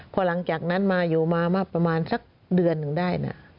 พอหลังจากนั้นมาอยู่มามาประมาณสักเดือนหนึ่งได้นะ